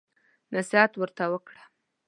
نصيحت ورته وکړه.